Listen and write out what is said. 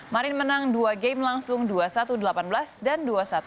marin menang dua game langsung dua satu delapan belas dan dua satu tiga belas